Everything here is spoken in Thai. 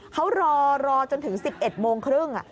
เขารอจนถึง๑๑โมงครึ่ง